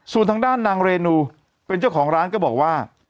ส่วนทางด้านนางเรนูเป็นเจ้าของร้านก็บอกว่า